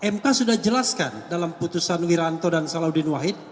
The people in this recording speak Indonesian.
mk sudah jelaskan dalam putusan wiranto dan salahuddin wahid